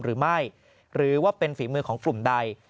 หรือไม่หรือว่าเป็นฝีมือของกลุ่มใด